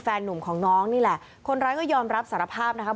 หนุ่มของน้องนี่แหละคนร้ายก็ยอมรับสารภาพนะครับ